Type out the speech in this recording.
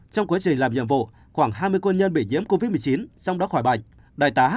trong quá trình làm nhiệm vụ khoảng hai mươi quân nhân bị nhiễm covid một mươi chín trong đó khỏi bệnh đại tá